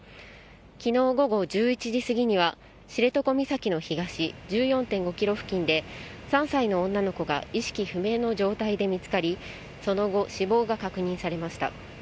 きのう午後１１時過ぎには、知床岬の東１４．５キロ付近で、３歳の女の子が意識不明の状態で見つかり、その後、死亡が確認されました。